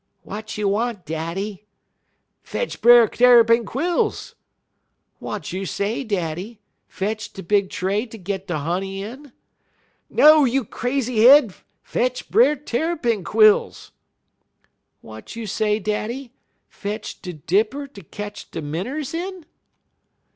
"'Wat you want, daddy?' "'Fetch Brer Tarrypin quills.' "'Wat you say, daddy? Fetch de big tray ter git de honey in?' "'No, you crazy head! Fetch Brer Tarrypin quills!' "'Wat you say, daddy? Fetch de dipper ter ketch de minners in?'